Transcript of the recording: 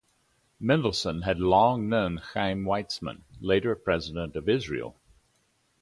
Mendelsohn had long known Chaim Weizmann, later President of Israel.